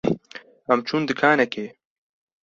Em çûn dikanekê.